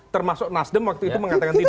termasuk nasdem waktu itu mengatakan tidak